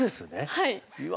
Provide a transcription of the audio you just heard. はい。